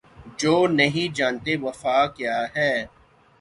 جو نہیں جانتے وفا کیا ہے